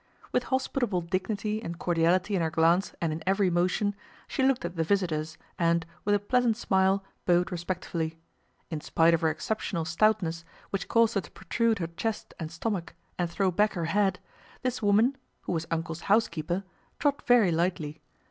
With hospitable dignity and cordiality in her glance and in every motion, she looked at the visitors and, with a pleasant smile, bowed respectfully. In spite of her exceptional stoutness, which caused her to protrude her chest and stomach and throw back her head, this woman (who was "Uncle's" housekeeper) trod very lightly.